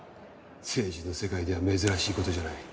政治の世界では珍しい事じゃない。